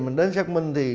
mình đến xác minh thì